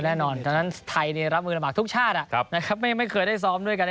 แน่นอนตอนนั้นไทยรับมือลำบากทุกชาติไม่เคยได้ซ้อมด้วยกัน